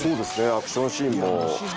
アクションシーンも。